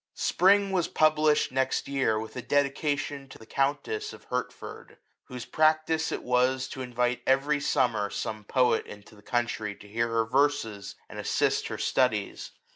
^^ Spring" was published next year, with a dedication to the countess of Hertford ; whose practice it was to invite every summer some poet into the country, to hear her verses and assist her studies.